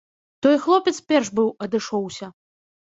Той хлопец перш быў адышоўся.